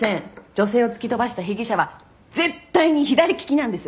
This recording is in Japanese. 女性を突き飛ばした被疑者は絶対に左利きなんです！